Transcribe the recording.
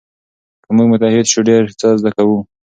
که موږ متحد سو ډېر څه زده کوو.